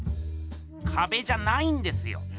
かべじゃないんですよ。